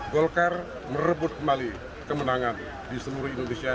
golkar merebut kembali kemenangan di seluruh indonesia